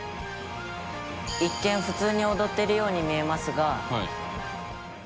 「一見普通に踊っているように見えますが」